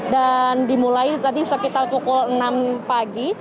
dan dimulai tadi sekitar pukul enam pagi